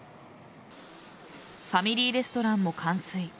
ファミリーレストランも冠水。